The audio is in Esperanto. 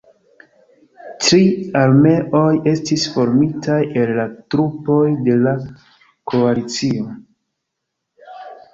Tri armeoj estis formitaj el la trupoj de la koalicio.